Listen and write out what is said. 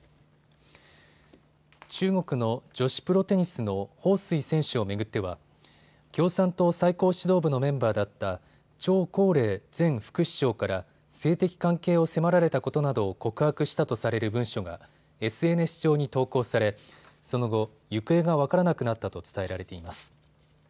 中国の女子プロテニスの彭帥選手を巡っては共産党最高指導部のメンバーだった張高麗前副首相から性的関係を迫られたことなどを告白したとされる文書がＳＮＳ上に投稿され、その後、行方が分からなくなったと伝えられています。